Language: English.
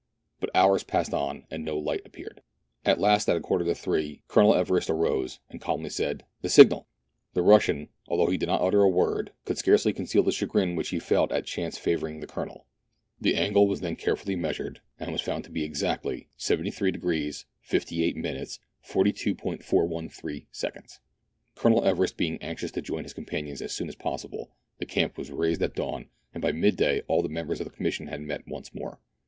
But hours passed on, and no light appeared. At last, at a quarter to three, Colonel Everest arose, and calmly said. " The signal !" The Russian, although he did not utter a word, could scarcely conceal the chagrin which he felt at chance favour ing the Colonel. The angle was then carefully measured, and was found to be exactly 73° 58' 42".4i3. Colonel Everest being anxious to join his companions as soon as possible, the camp was raised at dawn, and by mid day all the members of the Commission had met once more.